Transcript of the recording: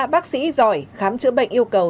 bác sĩ giỏi khám chữa bệnh yêu cầu